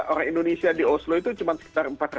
orang indonesia di oslo itu cuma sekitar empat ratus an